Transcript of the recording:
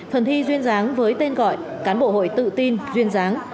phần thi duyên dáng với tên gọi cán bộ hội tự tin duyên dáng